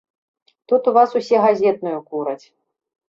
Тут у вас усе газетную кураць.